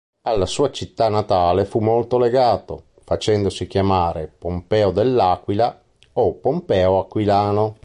Alla sua città natale fu molto legato, facendosi chiamare "Pompeo dell'Aquila" o "Pompeo aquilano".